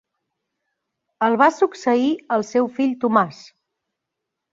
El va succeir el seu fill Tomàs.